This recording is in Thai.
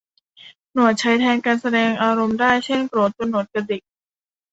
หนวดใช้แทนการแสดงอารมณ์ได้ เช่น โกรธจนหนวดกระดิก